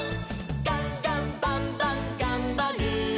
「ガンガンバンバンがんばる！」